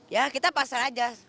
ya kita pasrah aja